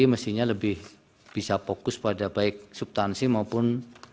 mestinya lebih bisa fokus pada baik subtansi maupun